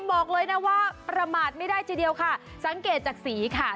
บอกเลยนะว่าประมาทไม่ได้ทีเดียวค่ะสังเกตจากสีค่ะ